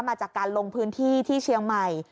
มาจากการลงพื้นที่ที่เชียงใหม่